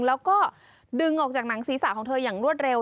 แล้วก็ดึงออกจากหนังศีรษะของเธออย่างรวดเร็ว